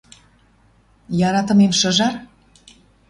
Яратымем шыжар?